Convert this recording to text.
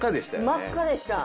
真っ赤でした。